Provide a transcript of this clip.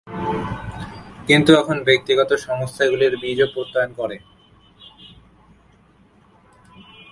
কিন্তু এখন ব্যক্তিগত সংস্থাগুলির বীজ ও প্রত্যয়ন করে।